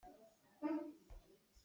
Amah he kan i rualchan.